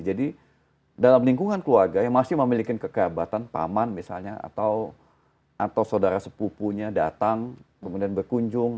jadi dalam lingkungan keluarga yang masih memiliki kekeabatan paman misalnya atau saudara sepupunya datang kemudian berkunjung